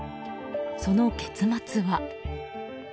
その結末は。